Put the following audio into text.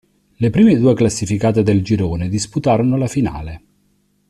Le prime due classificate del girone disputarono la finale.